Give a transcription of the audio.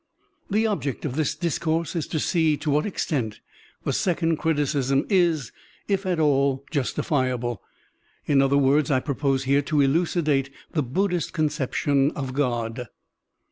The object of this discourse is to see to what extent the second criticism is, if at all, justifiable. In other words, I propose here to elucidate the Buddhist conception of God.